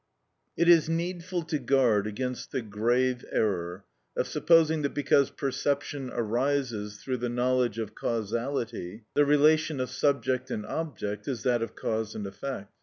§ 5. It is needful to guard against the grave error of supposing that because perception arises through the knowledge of causality, the relation of subject and object is that of cause and effect.